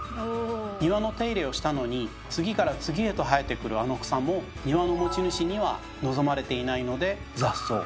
庭の手入れをしたのに次から次へと生えてくるあの草も庭の持ち主には望まれていないので雑草。